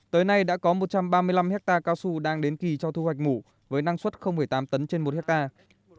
tới nay đã có một trăm ba mươi năm hectare cao su đang đến kỳ cho thu hoạch mủ với năng suất tám tấn trên một hectare